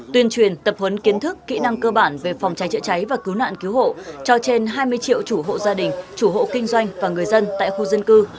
tuyên truyền tập huấn kiến thức kỹ năng cơ bản về phòng cháy chữa cháy và cứu nạn cứu hộ cho trên hai mươi triệu chủ hộ gia đình chủ hộ kinh doanh và người dân tại khu dân cư